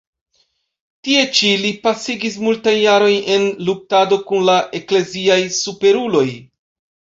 Tie ĉi li pasigis multajn jarojn en luktado kun la ekleziaj superuloj.